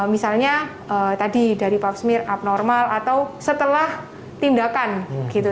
misalnya tadi dari paps meer abnormal atau setelah tindakan gitu